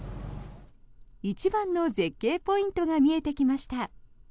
一番の絶景ポイントが見えてきました。